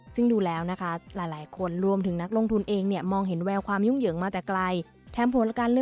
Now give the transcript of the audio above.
ซึ่งดูแล้วนะคะหลายคนรวมถึงนักลงทุนเองเนี่ยมองเห็นแววความยุ่งเหยิงมาแต่ไกล